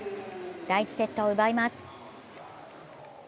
第１セットを奪います。